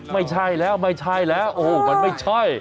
ไม่ใช่แล้วไม่ใช่แล้วโอ้โหมันไม่ใช่